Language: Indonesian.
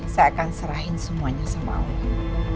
saya akan serahin semuanya sama allah